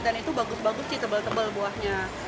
dan itu bagus bagus sih tebal tebal buahnya